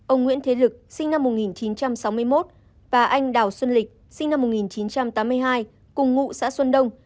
ông nguyễn thế lực sinh năm một nghìn chín trăm sáu mươi một và anh đào xuân lịch sinh năm một nghìn chín trăm tám mươi hai cùng ngụ xã xuân đông